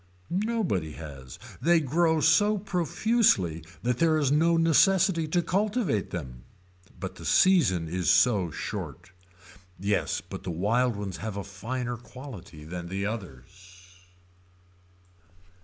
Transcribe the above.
Nobody has. They grow so profusely that there is no necessity to cultivate them. But the season is so short. Yes but the wild ones have a finer quality than the others.